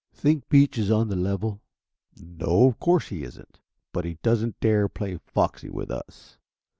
"Think Beach is on the level?" "No, of course he isn't. But he doesn't dare play foxy with us.